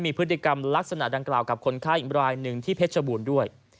มีพฤติกรรมลักษณะดังกล่าวกับคนไข้อีกรายหนึ่งที่เพชรบูรณ์ด้วย